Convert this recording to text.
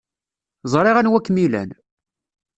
Ẓriɣ anwa kem-ilan.